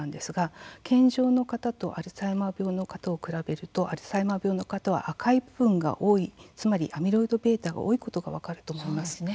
健常な方とアルツハイマー病の方を比べるとアルツハイマー病の方は赤い部分が多い、つまりアミロイドβが多いことが分かると思います。